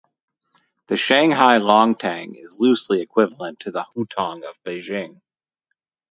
The Shanghai longtang is loosely equivalent to the hutong of Beijing.